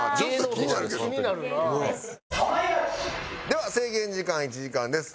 では制限時間は１時間です。